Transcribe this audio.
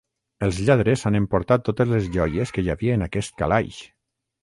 Els lladres s'han emportat totes les joies que hi havia en aquest calaix!